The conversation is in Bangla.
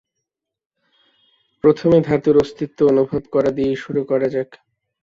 প্রথমে ধাতুর অস্তিত্ব অনুভব করা দিয়েই শুরু করা যাক।